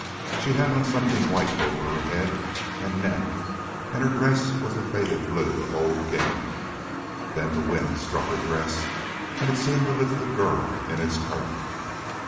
She had on something white over her head and neck, and her dress was the faded blue of old gingham. Then the wind struck her dress, and it seemed to lift the girl in its current.